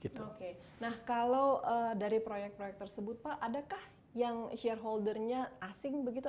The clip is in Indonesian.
nah kalau dari proyek proyek tersebut pak adakah yang shareholdernya asing begitu